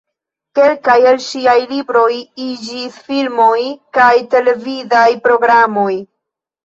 Kelkaj el ŝiaj libroj iĝis filmoj kaj televidaj programoj.